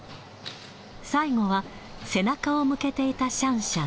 最後は背中を向けていたシャンシャン。